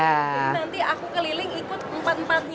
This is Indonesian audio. nanti aku keliling ikut empat empatnya